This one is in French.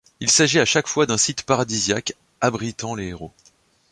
Il s'agit à chaque fois d'un site paradisiaque abritant les héros.